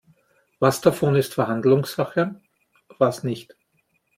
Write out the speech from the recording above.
Was davon ist Verhandlungssache, was nicht?